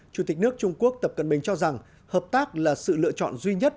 chủ tịch nước trung quốc tập cận bình cho rằng hợp tác là sự lựa chọn duy nhất